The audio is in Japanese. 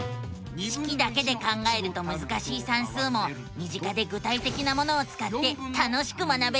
式だけで考えるとむずかしい算数も身近で具体的なものをつかって楽しく学べるのさ！